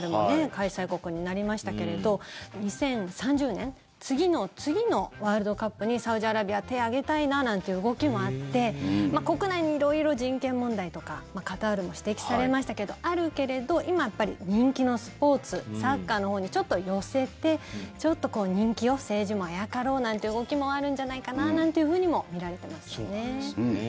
開催国になりましたけれど２０３０年次の次のワールドカップにサウジアラビア、手を挙げたいななんていう動きもあって国内に色々人権問題とかカタールも指摘されましたけどあるけれど今、やっぱり人気のスポーツサッカーのほうにちょっと寄せて人気を、政治もあやかろうなんて動きもあるんじゃないかななんていうふうにも見られてますね。